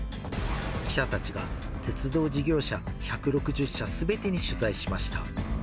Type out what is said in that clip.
記者たちが鉄道事業者１６０社すべてに取材しました。